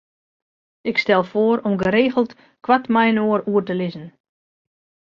Ik stel foar om geregeld koart mei-inoar oer te lizzen.